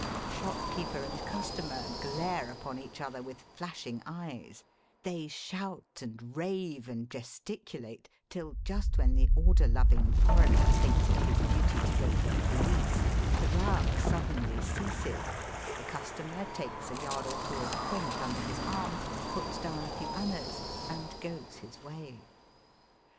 Shop keeper and customer glare upon each other with flashing eyes, they shout and rave and gesticulate till just when the order loving foreigner thinks it his duty to go for the poUce the row suddenly ceases, the customer takes a yard or two of print under his arm, puts down a few annas, and goes his way.